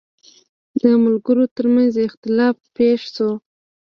د ملګرو ترمنځ اختلاف پېښ شو.